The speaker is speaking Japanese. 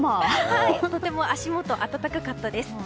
とても足元が温かかったです。